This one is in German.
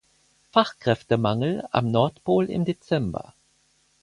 Fachkräftemangel am Nordpol im Dezember.